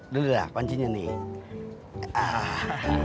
dulu dah koncinya nih